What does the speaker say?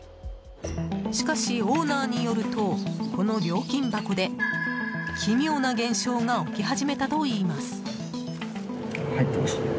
しかし、オーナーによるとこの料金箱で奇妙な現象が起き始めたといいます。